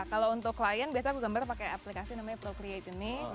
kalau untuk klien biasanya aku gambar pakai aplikasi namanya pro create ini